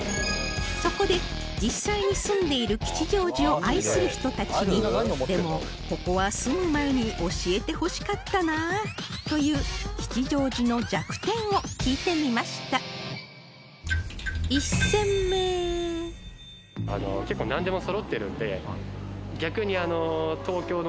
そこで実際に住んでいる吉祥寺を愛する人たちに「でもここは住む前に教えてほしかったなー」という吉祥寺の弱点を聞いてみました事になっちゃうので。